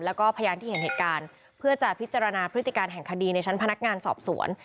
แล้วก็พยานที่เห็นเหตุการณ์เพื่อจะพิจารณาพฤติการแห่งคดีในชั้นพนักงานสอบสวน